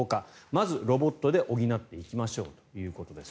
まずロボットで補っていきましょうということです。